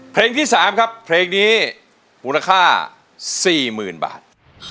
เพลงที่๓ครับเพลงนี้มูลค่า๔๐๐๐บาท